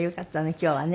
今日はね。